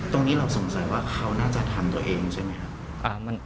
ตรงนี้เราสงสัยว่าเขาน่าจะทำตัวเองใช่ไหมครับ